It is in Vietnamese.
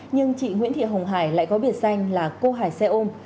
nhưng chị nguyễn thị hồng hải lại có biệt danh là cô hải xe ôm